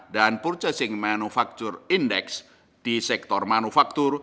dan purchasing manufacture index di sektor manufaktur